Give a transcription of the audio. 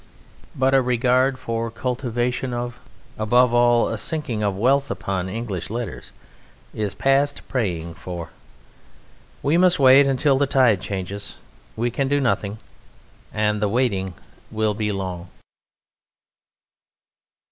But a regard for, a cultivation of, above all a sinking of wealth upon, English Letters is past praying for. We must wait until the tide changes; we can do nothing, and the waiting will be long.